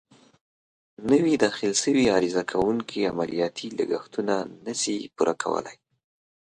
نوي داخل شوي عرضه کوونکې عملیاتي لګښتونه نه شي پوره کولای.